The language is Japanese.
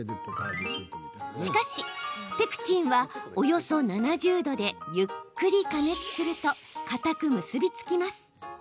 しかしペクチンはおよそ７０度でゆっくり加熱するとかたく結び付きます。